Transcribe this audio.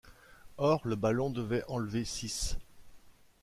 Or, le ballon devait enlever six...